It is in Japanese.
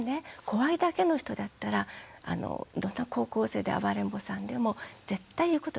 怖いだけの人だったらどんな高校生で暴れん坊さんでも絶対言うことを聞きません。